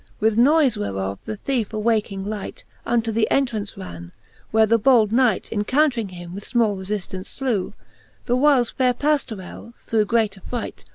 With noyfe whereof the theefe awaking light, Unto the entrance ran j where the bold Knight Encountring him with fmall refiftance flew : The whiles faire Pajiorelly through great affright.